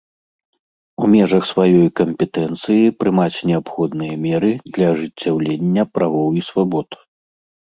У межах сваёй кампетэнцыі прымаць неабходныя меры для ажыццяўлення правоў і свабод.